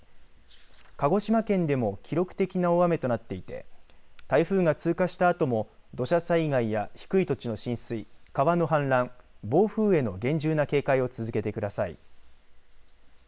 鹿児島県でも記録的な大雨となっていて台風が通過したあとも土砂災害、低い土地の浸水川の氾濫、暴風への厳重な警戒を続けてください。